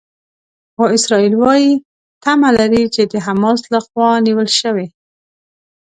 خو اسرائیل وايي تمه لري چې د حماس لخوا نیول شوي.